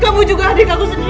kamu juga adik aku sedih